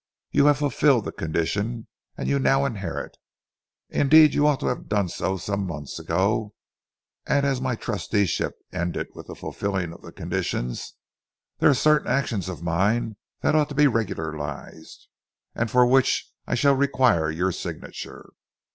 You have fulfilled the condition, and you now inherit. Indeed you ought to have done so some months ago, and as my trusteeship ended with the fulfilling of the conditions, there are certain actions of mine that ought to be regularized, and for which I shall require your signature."